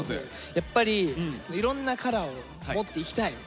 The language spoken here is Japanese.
やっぱりいろんなカラーを持っていきたい。